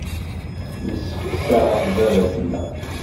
Nesseqsa ɣef baba-tneɣ.